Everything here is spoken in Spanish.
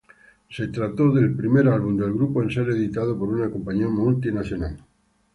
Se trató del primer álbum del grupo en ser editado por una compañía multinacional.